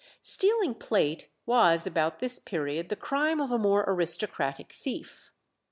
Stealing plate was about this period the crime of a more aristocratic thief.